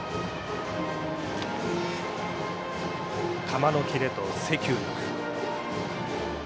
球のキレと制球力。